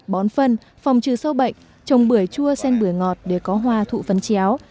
bón phân phòng trừ sâu bệnh trồng bưởi chua sen bưởi ngọt để có hoa thụ phấn chéo